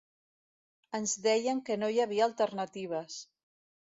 Ens deien que no hi havia alternatives.